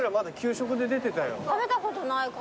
食べたことないかも。